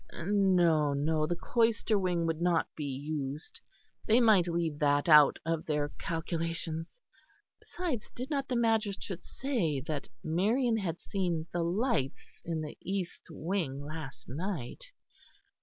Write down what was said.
No, no, the cloister wing would not be used; they might leave that out of their calculations. Besides, did not the magistrate say that Marion had seen the lights in the East wing last night?